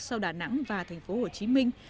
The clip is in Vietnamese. sau đà nẵng và thành phố hồ chí minh